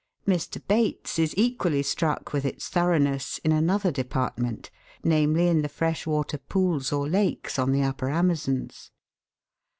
Mr. Bates is equally struck with its thoroughness in another department, namely in the fresh water pools or lakes on the Upper Amazons.